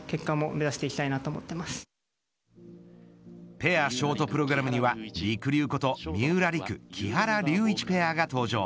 ペアショートプログラムにはりくりゅうこと三浦璃来、木原龍一ペアが登場。